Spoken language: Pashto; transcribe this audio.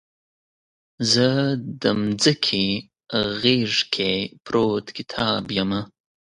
زه دمځکې غیږ کې پروت کتاب یمه